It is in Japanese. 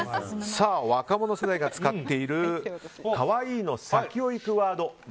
若者世代が使っている可愛いの先を行くワード。